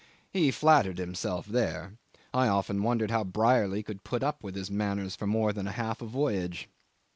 (He flattered himself there. I often wondered how Brierly could put up with his manners for more than half a voyage.)